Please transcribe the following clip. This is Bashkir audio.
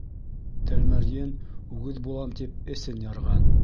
Тәлмәрйен, үгеҙ булам тип, эсен ярған.